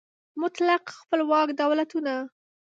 مطلق خپلواک دولتونه